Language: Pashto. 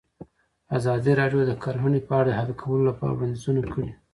ازادي راډیو د کرهنه په اړه د حل کولو لپاره وړاندیزونه کړي.